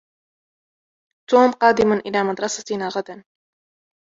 توم قادمٌ إلى مدرستنا غداً.